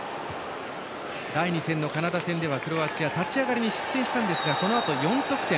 第２戦のカナダ戦ではクロアチア、立ち上がりに失点したんですがそのあとに４得点